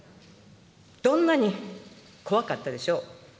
どんなに怖かったでしょう。